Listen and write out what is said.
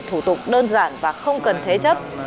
thủ tục đơn giản và không cần thế chấp